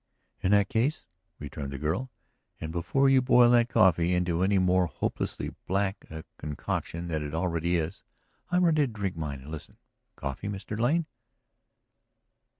"In that case," returned the girl, "and before you boil that coffee into any more hopelessly black a concoction than it already is, I am ready to drink mine and listen. Coffee, Mr. Lane?"